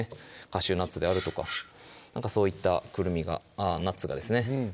カシューナッツであるとかそういったナッツがですね